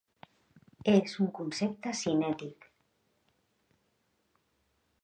És un concepte cinètic.